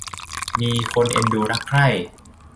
มีคนเอ็นดูรักใคร่